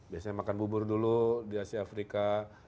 biasanya makan bubur dulu di asia afrika